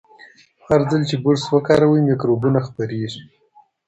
هر ځل چې برس وکاروئ، میکروبونه خپریږي.